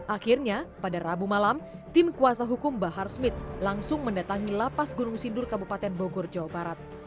akhirnya pada rabu malam tim kuasa hukum bahar smith langsung mendatangi lapas gunung sindur kabupaten bogor jawa barat